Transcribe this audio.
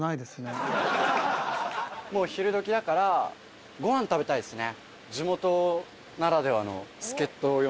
もう昼時だからご飯食べたいですね。